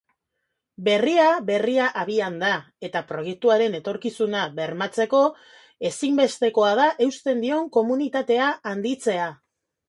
Berria berria abian da, eta, proiektuaren etorkizuna bermatzeko, ezinbestekoa da eusten dion komunitatea handitzea.